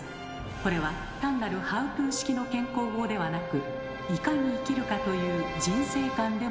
これは単なるハウツー式の健康法ではなく「いかに生きるか」という人生観でもありました。